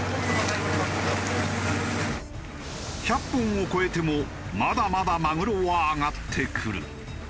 １００本を超えてもまだまだマグロは揚がってくる。